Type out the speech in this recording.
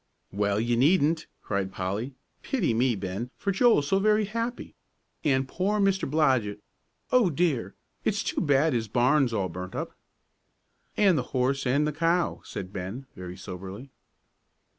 "Well, you needn't," cried Polly, "pity me, Ben, for Joel's so very happy. And poor Mr. Blodgett! O dear, it's too bad his barn's all burnt up." "And the horse and the cow," said Ben, very soberly.